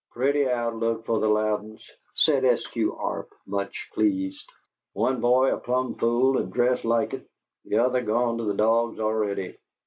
"Pretty outlook for the Loudens!" said Eskew Arp, much pleased. "One boy a plum fool and dressed like it, the other gone to the dogs already!"